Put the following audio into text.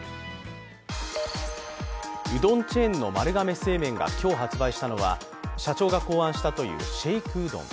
うどんチェーンの丸亀製麺が今日発売したのは社長が考案したというシェイクうどん。